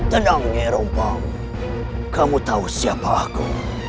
tenang eropa kamu tahu siapa aku